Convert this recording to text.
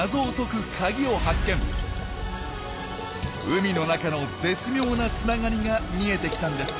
海の中の絶妙なつながりが見えてきたんです。